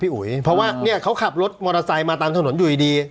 อุ๋ยเพราะว่าเนี่ยเขาขับรถมอเตอร์ไซค์มาตามถนนอยู่ดี